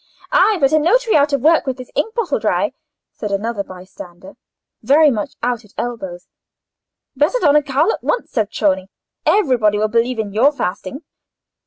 "Ay, but a notary out of work, with his inkbottle dry," said another bystander, very much out at elbows. "Better don a cowl at once, Ser Cioni: everybody will believe in your fasting."